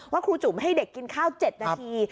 ครูจุ๋มให้เด็กกินข้าว๗นาที